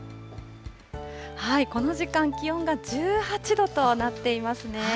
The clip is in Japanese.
この時間、気温が１８度となっていますね。